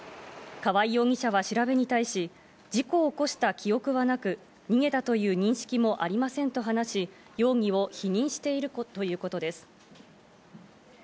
川合容疑者は調べに対し、事故を起こした記憶はなく、逃げたという認識もありませんと話し、容疑を否認しているということです。